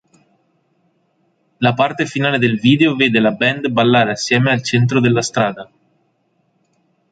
La parte finale del video vede la band ballare assieme al centro della strada.